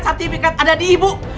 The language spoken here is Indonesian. sertifikat ada di ibu